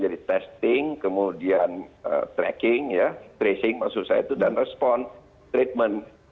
jadi testing kemudian tracking tracing maksud saya itu dan respon treatment